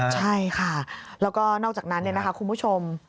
ใช่ค่ะแล้วก็นอกจากนั้นเนี่ยนะคะคุณผู้ชม